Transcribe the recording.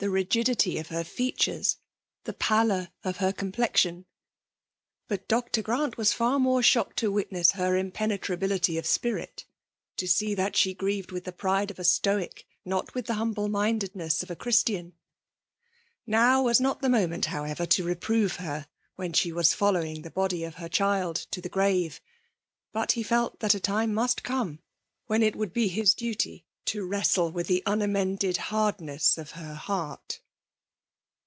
rigidity of her features, the pallor of her com plexion ; but Dr. Grant was far more shocked to witness her impenetrability of spirit ; to see that she grieved with the pride of a atcnc, not with the humble mindedness of a Cfaiistian ! Now was not the moment, however, to reprove her, when she was following the body of her child to the grave. But he felt that a time must come when it would be his duty to wrestle with the unamended hardness of her heart.